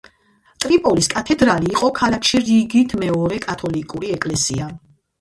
ტრიპოლის კათედრალი იყო ქალაქში რიგით მეორე კათოლიკური ეკლესია.